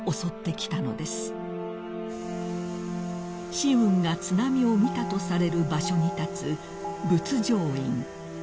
［紫雲が津波を見たとされる場所に立つ］